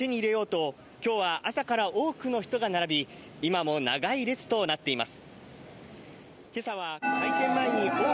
機運の商品を手に入れようと、きょうは朝から多くの人が並び、今も長い列となっています。